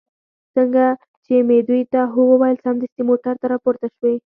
څنګه چې مې دوی ته هو وویل، سمدستي موټر ته را پورته شوې.